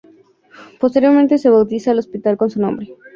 Posteriormente se bautizó el hospital con su nombre.